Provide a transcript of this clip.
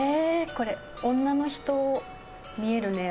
これ女の人見えるね。